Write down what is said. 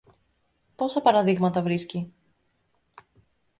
πόσα παραδείγματα βρίσκει!